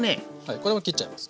これも切っちゃいます。